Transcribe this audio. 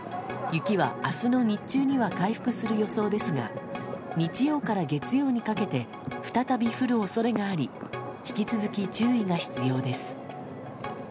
雪は明日の日中には回復する予想ですが日曜から月曜にかけて再び降る恐れがあり引き続き注意が必要です。